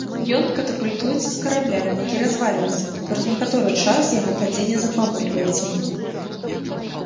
Ён катапультуецца з карабля, які развальваецца, і праз некаторы час яго падзенне запавольваецца.